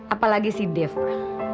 apalagi si dev pa